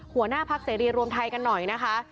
หัวหน้าพักเสรีรวมไทยกันหน่อยนะคะ